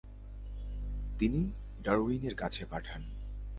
তিনি ডারউইনের কাছে পাঠান।